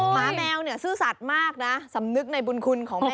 หมาแมวเนี่ยซื่อสัตว์มากนะสำนึกในบุญคุณของแม่